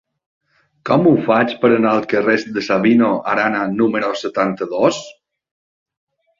Com ho faig per anar al carrer de Sabino Arana número setanta-dos?